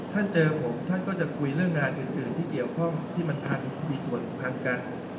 เจอผมท่านก็จะคุยเรื่องงานอื่นที่เกี่ยวข้องที่มันมีส่วนพันกัน